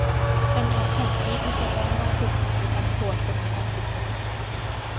เป็นแอปแผนที่ที่จะแจ้งว่าจุดไหนมีตำรวจหรือมีการปิดถนน